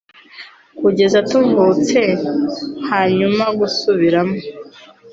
kugeza tuvutse; hanyuma gusubiramo